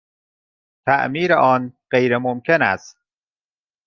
تعمیر آن غیرممکن است.